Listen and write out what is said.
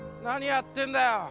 何やってんだよ。